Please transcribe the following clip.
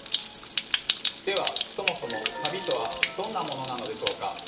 ではそもそもサビとはどんなものなのでしょうか？